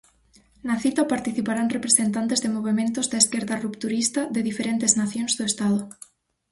Na cita participarán representantes de movementos da esquerda rupturista de diferentes nacións do Estado.